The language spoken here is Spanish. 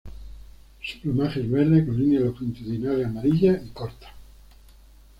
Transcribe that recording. Su plumaje es verde con líneas longitudinales amarillas y cortas.